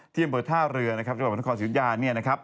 ที่เปิดท่าเรือนะครับจังหวังว่าบางท่านคอร์ศิษยาเนี่ยนะครับ